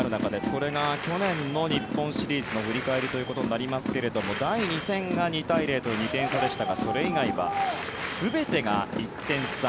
これが去年の日本シリーズの振り返りということになりますが第２戦が２対０と２点差でしたがそれ以外は全てが１点差。